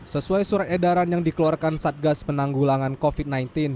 sesuai surat edaran yang dikeluarkan satgas penanggulangan covid sembilan belas